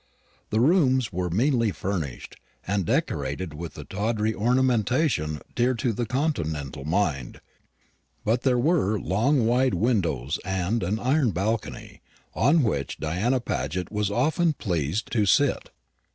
The rooms were meanly furnished, and decorated with the tawdry ornamentation dear to the continental mind; but there were long wide windows and an iron balcony, on which Diana Paget was often pleased to sit.